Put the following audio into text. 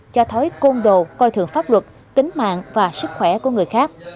cho thói côn đồ coi thường pháp luật tính mạng và sức khỏe của người khác